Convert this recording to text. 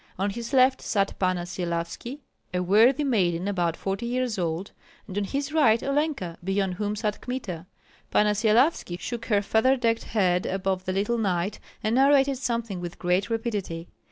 On his left sat Panna Syelavski, a worthy maiden about forty years old, and on his right Olenka, beyond whom sat Kmita. Panna Syelavski shook her feather decked head above the little knight, and narrated something with great rapidity.